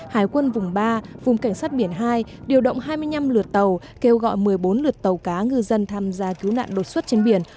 hải quân vùng ba vùng cảnh sát biển hai điều động hai mươi năm lượt tàu kêu gọi một mươi bốn lượt tàu cá ngư dân tham gia cứu nạn đột xuất trên biển